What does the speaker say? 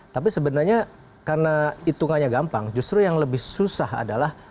tapi sebenarnya karena hitungannya gampang justru yang lebih susah adalah